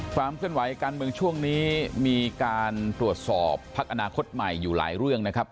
ความเคลื่อนไหวการเมืองช่วงนี้มีการตรวจสอบพักอนาคตใหม่อยู่หลายเรื่องนะครับ